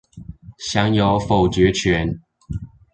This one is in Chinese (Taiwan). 享有否決權